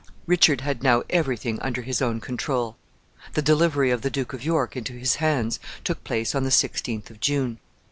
Richard had now every thing under his own control. The delivery of the Duke of York into his hands took place on the sixteenth of June.